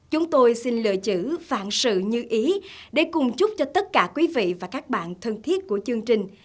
chúng tôi xin lựa chữ vạn sự như ý để cùng chúc cho tất cả quý vị và các bạn thân thiết của chương trình